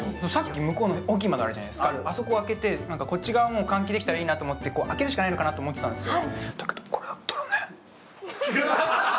さっきのあそこを開けてこっち側も換気できたらいいなと思って開けるしかないのかなと思ってたんですよ。